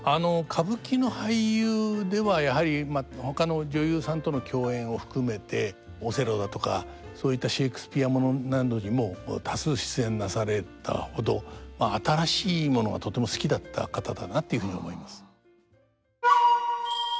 歌舞伎の俳優ではやはりほかの女優さんとの共演を含めて「オセロ」だとかそういったシェークスピア物などにも多数出演なされたほど新しいものがとても好きだった方だなというふうに思います。